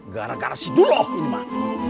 gara gara si duloh ini mak